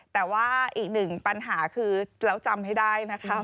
แต่ว่าอีกหนึ่งปัญหาคือเราจำให้ได้นะคะ